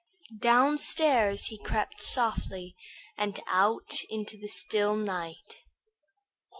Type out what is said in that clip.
Downstairs he crept softly and out into the still night.